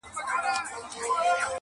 حقيقت ګډوډېږي د خلکو خبرو کي-